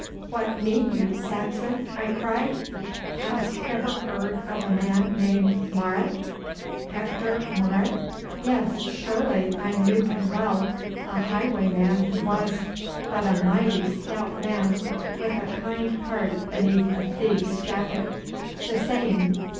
'What mean you, Saxon?' I cried. 'Hast ever heard of a man named Marot?' 'Hector Marot! Yes, surely I knew him well. A highwayman he was, but a mighty stout man with a kind heart beneath a thief's jacket.' 'The same.